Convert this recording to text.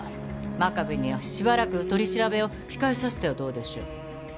真壁にはしばらく取り調べを控えさせてはどうでしょう？